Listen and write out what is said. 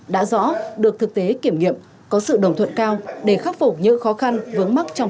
đã rõ được thực tế kiểm nghiệm có sự đồng thuận cao để khắc phục những khó khăn vướng mắc trong